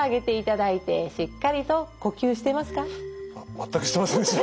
全くしてませんでした。